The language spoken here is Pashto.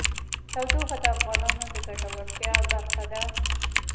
تودوخه د افغانانو د ګټورتیا برخه ده.